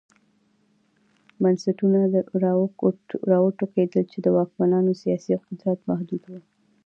بنسټونه را وټوکېدل چې د واکمنانو سیاسي قدرت محدوداوه.